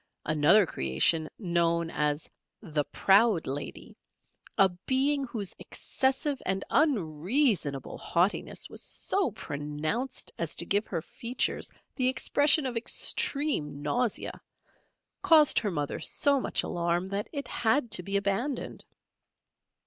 Another creation known as "The Proud Lady" a being whose excessive and unreasonable haughtiness was so pronounced as to give her features the expression of extreme nausea, caused her mother so much alarm that it had to be abandoned.